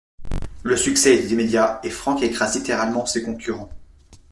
Le succès est immédiat et Frank écrase littéralement ses concurrents.